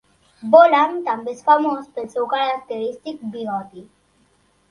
Boland també és famós pel seu característic bigoti.